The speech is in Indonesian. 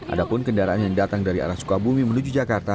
adapun kendaraan yang datang dari arah sukabumi menuju jakarta